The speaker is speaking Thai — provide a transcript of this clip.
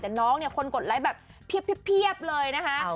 แต่น้องเนี่ยคนกดไลค์แบบเพียบเลยนะคะ